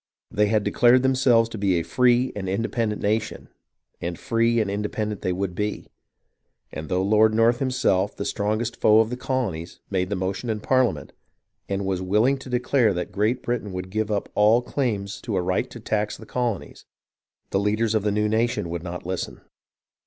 They had declared themselves to be a free and independent nation, and free and independent they would be ; and though Lord North himself, the strongest foe of the colonies, made the motion in Parlia ment, and was willing to declare that Great Britain would give up all claim to a right to tax the colonies, the leaders of the new nation would not listen.